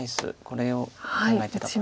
これを考えてたと。